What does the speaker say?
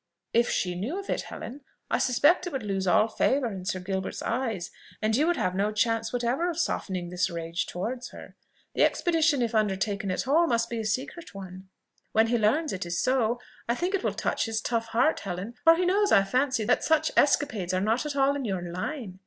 "If she knew of it, Helen, I suspect it would lose all favour in Sir Gilbert's eyes, and you would have no chance whatever of softening his rage towards her. The expedition, if undertaken at all, must be a secret one. When he learns it is so, I think it will touch his tough heart, Helen, for he knows, I fancy, that such escapades are not at all in your line.